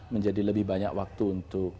menjadi lebih banyak waktu untuk